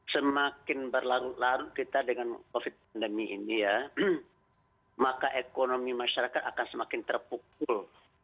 semakin berlarut larut kita dengan covid sembilan belas ini ya maka ekonomi masyarakat akan semakin terpukul